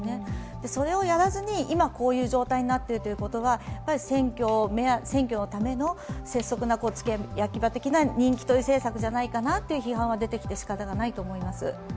それをやらずに今、こういう状態になっているということは、選挙のための拙速な付け焼き刃的な人気取り政策ではないかなと批判は出てきてしかたがないと思います。